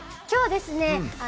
今日はですね